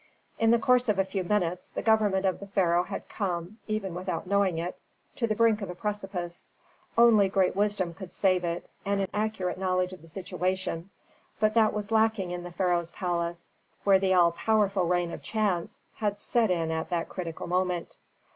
In the course of a few minutes the government of the pharaoh had come, even without knowing it, to the brink of a precipice. Only great wisdom could save it, and an accurate knowledge of the situation. But that was lacking in the pharaoh's palace, where the all powerful reign of chance had set in at that critical moment.